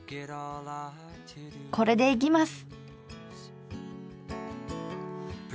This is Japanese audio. これでいきます！